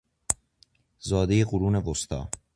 زادهی قرون وسطی